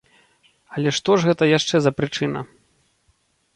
Але што ж гэта яшчэ за прычына?